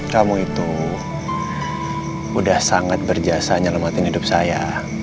kamu itu udah sangat berjasa menyelamatkan hidup saya